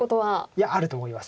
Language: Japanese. いやあると思います。